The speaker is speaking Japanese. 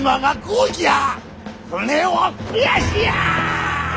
船を増やしや！